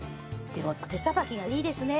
でも手さばきがいいですね。